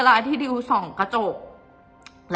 เพราะในตอนนั้นดิวต้องอธิบายให้ทุกคนเข้าใจหัวอกดิวด้วยนะว่า